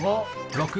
６。